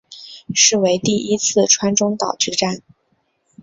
是为第一次川中岛之战。